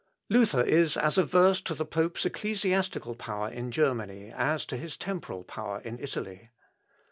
Luther is as averse to the pope's ecclesiastical power in Germany as to his temporal power in Italy.